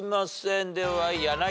では柳原。